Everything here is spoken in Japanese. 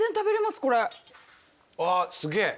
あっすげえ。